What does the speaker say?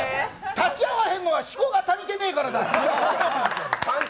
立ち会わねぇのはしこが足りてねぇからだよ。